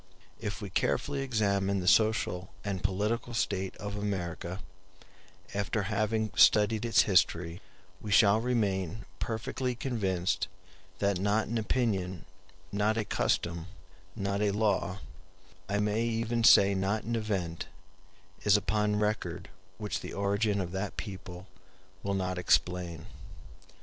If we carefully examine the social and political state of America, after having studied its history, we shall remain perfectly convinced that not an opinion, not a custom, not a law, I may even say not an event, is upon record which the origin of that people will not explain.